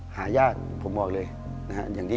หายากผมบอกเลย